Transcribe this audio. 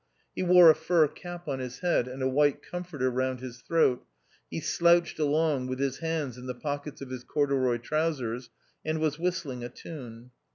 He wore a fur cap on his head, and a white comforter round his throat ; he slouched along with his hands in the pockets of his corduroy trousers, and was whistling a tune.